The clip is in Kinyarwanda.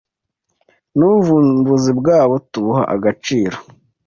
n’ubuvumbuzi bwabo tubuha agaciro